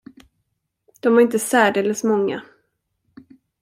De var inte särdeles många.